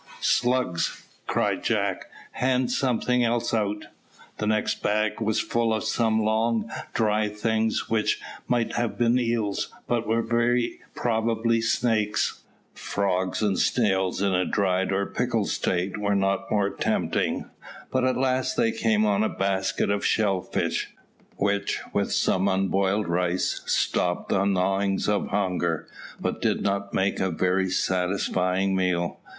"Slugs," cried Jack. "Hand something else out." The next bag was full of some long, dried things, which might have been eels, but were very probably snakes. Frogs and snails in a dried or pickled state were not more tempting; but at last they came on a basket of shell fish, which, with some unboiled rice, stopped the gnawings of hunger, but did not make a very satisfying meal.